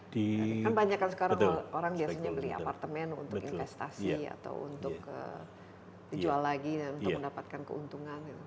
kan banyak kan sekarang orang biasanya beli apartemen untuk investasi atau untuk dijual lagi dan untuk mendapatkan keuntungan